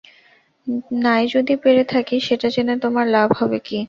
নাই যদি পেরে থাকি, সেটা জেনে তোমার লাভ হবে কী?